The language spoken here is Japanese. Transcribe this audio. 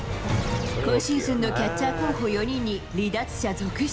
今シーズンのキャッチャー候補４人に離脱者続出。